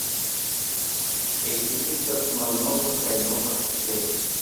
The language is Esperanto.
Ekzistas Malnova kaj Nova kastelo.